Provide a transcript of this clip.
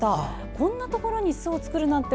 こんなところに巣を作るなんて